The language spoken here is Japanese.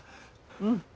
うん。